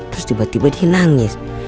terus tiba tiba dia nangis